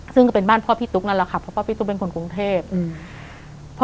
ซึ่งก็เป็นบ้านพ่อพี่ตุ๊กนั่นแหละค่ะเพราะพ่อพี่ตุ๊กเป็นคนกรุงเทพอืม